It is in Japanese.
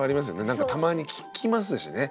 なんかたまに聞きますしね。